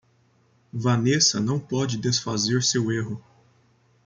Vanessa não pode desfazer seu erro.